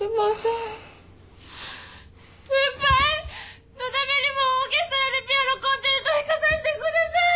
先輩！のだめにもオーケストラでピアノコンチェルト弾かさせてください！